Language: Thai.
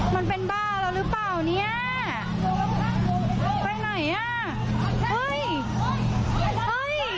มันเป็นบ้าแล้วหรือเปล่าเนี่ยไหนนะ